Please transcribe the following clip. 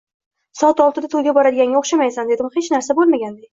Soat oltida to`yga boradiganga o`xshamaysan, dedim hech narsa bo`lmaganday